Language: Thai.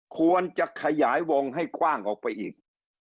ควรจะขยายวงให้กว้างออกไปอีก